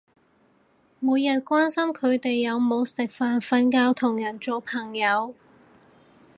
每日關心佢哋有冇食飯瞓覺同人做朋友